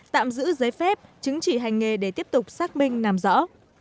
tạm giữ giấy phép chứng chỉ hành nghề để tiếp tục xác minh làm rõ